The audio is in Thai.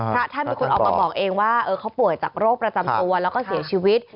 พระท่านเป็นคนออกมาบอกเองว่าเขาป่วยจากโรคประจำตัวแล้วก็เสียชีวิต